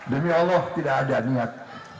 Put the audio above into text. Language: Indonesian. demi allah tidak ada niat